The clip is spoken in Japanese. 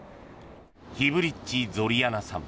ヒブリッチ・ゾリャナさん